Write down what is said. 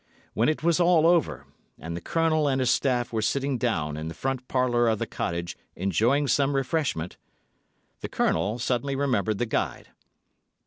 When it was all over, and the Colonel and his staff were sitting down in the front parlour of the cottage enjoying some refreshment, Colonel R—— suddenly remembered the guide.